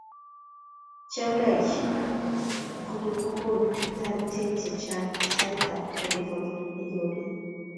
Chealdaishe konyokokonu taretet chechang sait ab carnival nenyone.